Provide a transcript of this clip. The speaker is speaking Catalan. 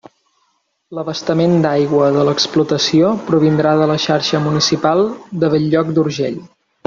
L'abastament d'aigua de l'explotació provindrà de la xarxa municipal de Bell-lloc d'Urgell.